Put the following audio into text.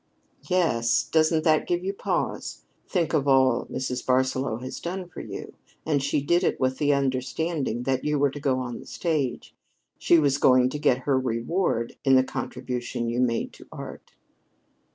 "Yes, doesn't that give you pause? Think of all Mrs. Barsaloux has done for you; and she did it with the understanding that you were to go on the stage. She was going to get her reward in the contribution you made to art."